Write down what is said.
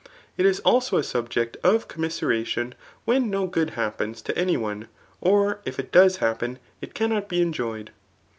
It is also a sul^ect of commiseration, when no good happens to any one, or if it does happen, it cannot be enjoyed.